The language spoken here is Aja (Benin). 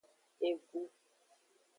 Egu.